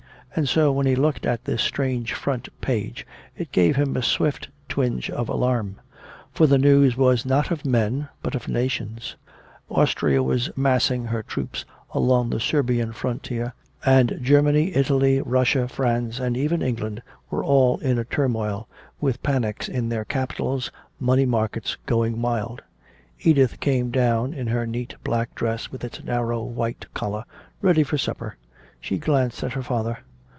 And so when he looked at this strange front page it gave him a swift twinge of alarm. For the news was not of men but of nations. Austria was massing her troops along the Serbian frontier, and Germany, Italy, Russia, France and even England, all were in a turmoil, with panics in their capitals, money markets going wild. Edith came down, in her neat black dress with its narrow white collar, ready for supper. She glanced at her father.